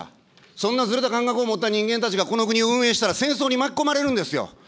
そんなずれた感覚を持った人間たちが、この国を運営したら、戦争に巻き込まれるんですよ。